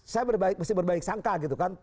saya mesti berbaik sangka gitu kan